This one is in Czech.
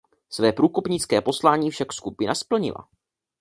Své průkopnické poslání však skupina splnila.